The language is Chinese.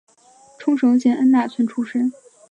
冲绳县恩纳村出身。